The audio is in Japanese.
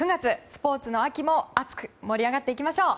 スポーツの秋も熱く盛り上がっていきましょう。